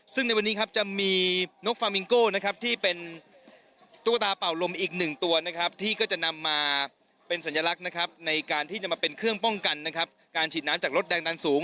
ซึ่งในวันนี้ครับจะมีนกฟามิงโก้นะครับที่เป็นตุ๊กตาเป่าลมอีกหนึ่งตัวนะครับที่ก็จะนำมาเป็นสัญลักษณ์นะครับในการที่จะมาเป็นเครื่องป้องกันนะครับการฉีดน้ำจากรถแดงดันสูง